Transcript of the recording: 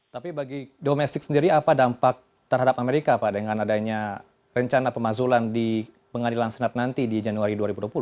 tapi bagi domestik sendiri apa dampak terhadap amerika pak dengan adanya rencana pemazulan di pengadilan senat nanti di januari dua ribu dua puluh